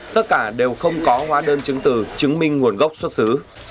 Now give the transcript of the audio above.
tất cả đều không có hóa đơn chứng từ chứng minh nguồn gốc xuất xứ